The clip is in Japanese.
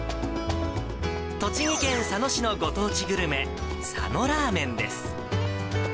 栃木県佐野市のご当地グルメ、佐野ラーメンです。